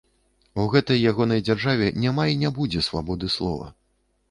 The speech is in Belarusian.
У гэтай ягонай дзяржаве няма й не будзе свабоды слова.